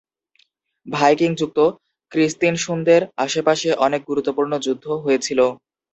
Viking যুগে ক্রিস্তিনসুন্দের আশেপাশে অনেক গুরুত্বপূর্ণ যুদ্ধ হয়েছিল।